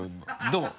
どう？